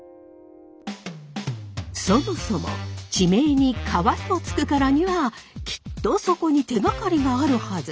そもそも地名に「川」と付くからにはきっとそこに手がかりがあるはず。